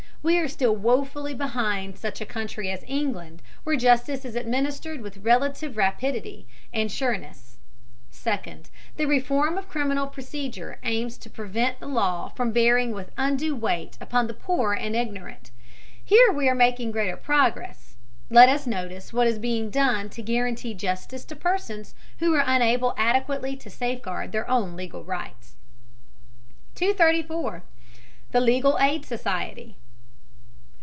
We are still woefully behind such a country as England, where justice is administered with relative rapidity and sureness. Second, the reform of criminal procedure aims to prevent the law from bearing with undue weight upon the poor and ignorant. Here we are making greater progress. Let us notice what is being done to guarantee justice to persons who are unable adequately to safeguard their own legal rights. 234. THE LEGAL AID SOCIETY.